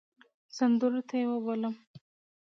سندرو ته يې وبللم .